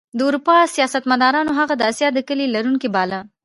د اروپا سیاستمدارانو هغه د اسیا د کیلي لرونکی باله.